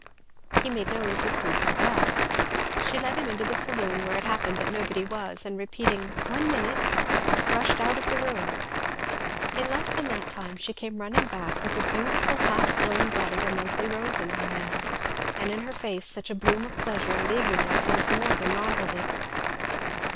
He made no resistance to that. She led him to the saloon, where it happened that nobody was, and repeating "One minute!" rushed out of the room. In less than that time she came running back with a beautiful half blown bud of a monthly rose in her hand, and in her face such a bloom of pleasure and eagerness as more than rivalled it.